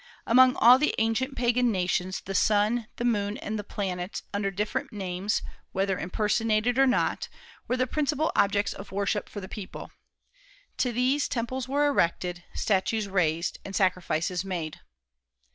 Among all the ancient pagan nations the sun, the moon, and the planets, under different names, whether impersonated or not, were the principal objects of worship for the people. To these temples were erected, statues raised, and sacrifices made.